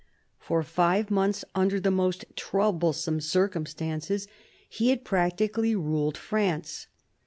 For five months, under most troublesome circumstances, he had practically ruled France.